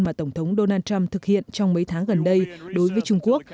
mà tổng thống donald trump thực hiện trong mấy tháng gần đây đối với trung quốc